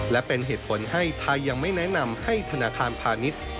และเป็นเหตุผลให้ไทยยังไม่แนะนำให้ธนาคารพาณิชย์